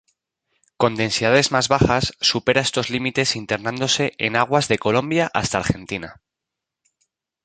Con densidades más bajas supera estos límites internándose en aguas de Colombia hasta Argentina.